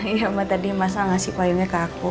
iya mama tadi masa ngasih payungnya ke aku